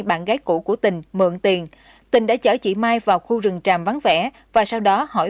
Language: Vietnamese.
bạn gái cũ của tình mượn tiền tình tình đã chở chị mai vào khu rừng tràm vắng vẻ và sau đó hỏi